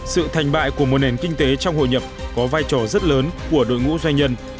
sự thành bại của một nền kinh tế trong hội nhập có vai trò rất lớn của đội ngũ doanh nhân